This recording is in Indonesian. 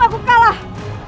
untuk para ofisi